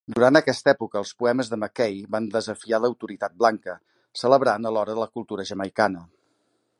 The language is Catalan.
Durant aquesta època, els poemes de McKay van desafiar l'autoritat blanca, celebrant alhora la cultura jamaicana.